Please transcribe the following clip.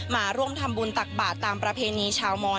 มาร่วมทำบุญตักบาทตามประเพณีชาวมอน